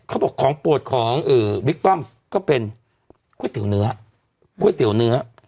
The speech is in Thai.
เขาบอกของโปรดของบิ๊กป้อมก็เป็นก๋วยเตี๋ยวเนื้อก๋วยเตี๋ยวเนื้อ